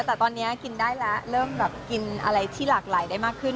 แต่ตอนนี้กินได้แล้วเริ่มแบบกินอะไรที่หลากหลายได้มากขึ้น